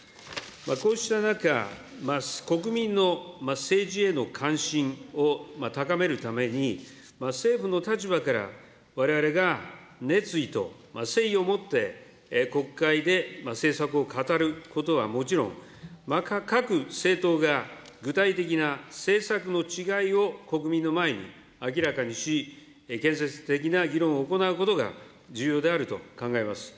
こうした中、国民の政治への関心を高めるために、政府の立場からわれわれが熱意と誠意をもって国会で政策を語ることはもちろん、各政党が具体的な政策の違いを国民の前に明らかにし、建設的な議論を行うことが、重要であると考えます。